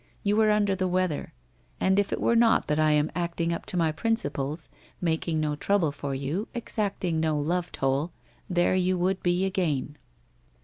You were under tbe weather. And if it were not that I am acting up to my principles, making no trouble for you, exacting no love toll, there you would be again.'